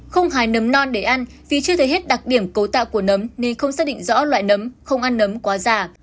không hài nấm non để ăn vì chưa thấy hết đặc điểm cấu tạo của nấm nên không xác định rõ loại nấm không ăn nấm quá già